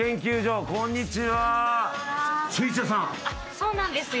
そうなんですよ